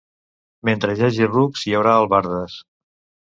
Mentre hi hagi rucs hi haurà albardes.